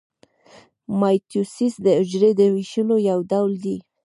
مایټوسیس د حجرې د ویشلو یو ډول دی